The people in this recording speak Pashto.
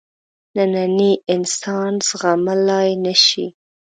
نننی انسان زغملای نه شي.